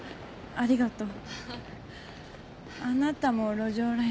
ありがとう。